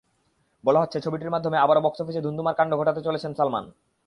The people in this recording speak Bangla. বলা হচ্ছে, ছবিটির মাধ্যমে আবারও বক্স অফিসে ধুন্ধুমার কাণ্ড ঘটাতে চলেছেন সালমান।